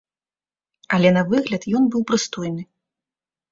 Але на выгляд ён быў прыстойны.